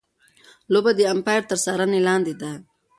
لوبه د ایمپایر تر څار لاندي ده.